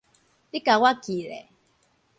你共我記咧